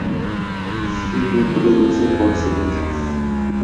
Se reproduce por semillas".